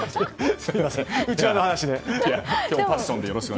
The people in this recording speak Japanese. すみません、内輪の話で。